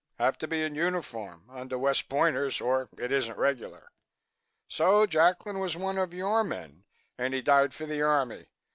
Have to be in uniform, under West Pointers or it isn't regular. So Jacklin was one of your men and he died for the Army.